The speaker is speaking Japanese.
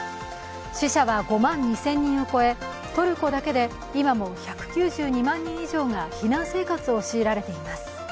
死者は５万２０００人を超えトルコだけで今も１９２万人以上が避難生活を強いられています。